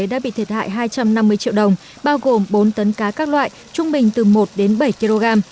đã bị thiệt hại hai trăm năm mươi triệu đồng bao gồm bốn tấn cá các loại trung bình từ một đến bảy kg